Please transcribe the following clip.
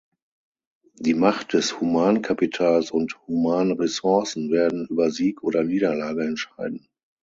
Die Macht des Humankapitals und Humanressourcen werden über Sieg oder Niederlage entscheiden.